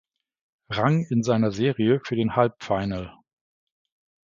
Rang in seiner Serie für den Halbfinal.